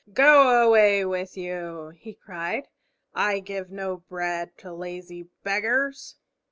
"Go away with you!" he cried. "I give no bread to lazy beggars!"